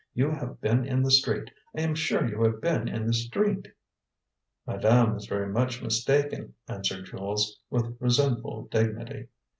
You have been in the street. I am sure you have been in the street." "Madame is very much mistaken," answered Jules, with resentful dignity.